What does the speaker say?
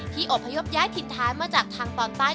ที่อบพยพย้ายผิดท้านมาจากทางตอนใต้